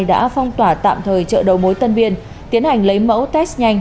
đã phong tỏa tạm thời chợ đầu mối tân biên tiến hành lấy mẫu test nhanh